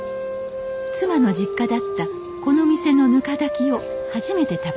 妻の実家だったこの店のぬか炊きを初めて食べました。